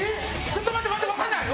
ちょっと待って待ってわかんない。